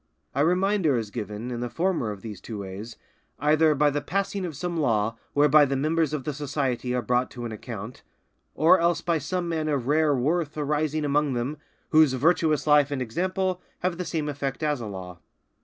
A reminder is given in the former of these two ways, either by the passing of some law whereby the members of the society are brought to an account; or else by some man of rare worth arising among them, whose virtuous life and example have the same effect as a law.